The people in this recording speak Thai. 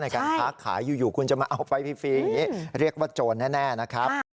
ในการพักขายู่คุณจะมาเอาไปฟรีเรียกว่าโจรแน่นะครับ